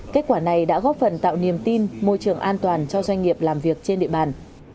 kết quả này đã góp phần tạo niềm tin môi trường an toàn cho doanh nghiệp làm việc trên địa bàn